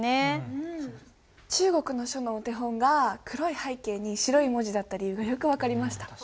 中国の書のお手本が黒い背景に白い文字だった理由がよく分かりました。